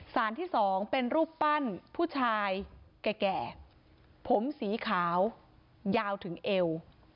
ที่สองเป็นรูปปั้นผู้ชายแก่ผมสีขาวยาวถึงเอว